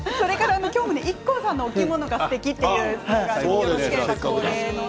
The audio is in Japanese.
今日もＩＫＫＯさんのお着物がすてきというメールがきました。